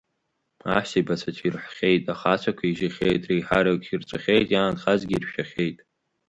Аҳәсеибацәа цәирҳәхьеит, ахацәақәа ижьахьеит, реиҳараҩык хирҵәахьеит, иаанхазгьы иршәахьеит.